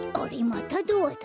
またドアだ。